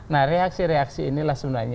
nah reaksi reaksi inilah sebenarnya